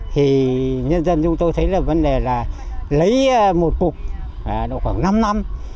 thì nhân dân chúng tôi thấy là vấn đề là lấy một cục độ khoảng năm năm